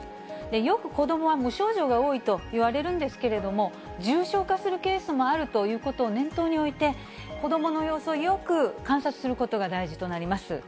よく子どもは無症状が多いといわれるんですけれども、重症化するケースもあるということを念頭に置いて、子どもの様子をよく観察することが大事となります。